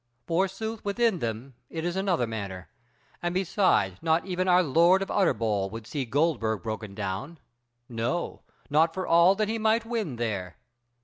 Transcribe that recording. Forsooth within them it is another matter, and beside not even our Lord of Utterbol would see Goldburg broken down, no, not for all that he might win there."